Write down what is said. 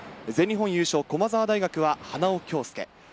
全日本優勝駒澤大学は花尾恭輔。